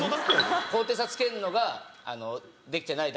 高低差つけるのができてないだけで。